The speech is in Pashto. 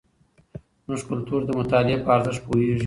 زموږ کلتور د مطالعې په ارزښت پوهیږي.